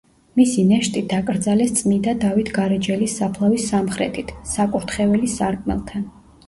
მისი ნეშტი დაკრძალეს წმიდა დავით გარეჯელის საფლავის სამხრეთით, საკურთხეველის სარკმელთან.